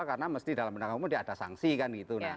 karena mesti di dalam pendekakan hukum dia ada sangsi kan gitu